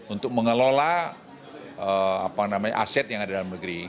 untuk mengelola aset yang ada dalam negeri